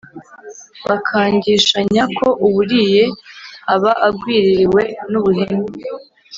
bakangishanya ko uburiye aba agwiririwe n'ubuhene